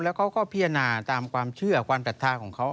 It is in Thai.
แล้วเขาก็พิจารณาตามความเชื่อความศรัทธาของเขา